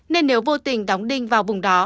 nên nếu vô tình đóng đinh vào vùng đó